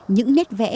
những nét vẽ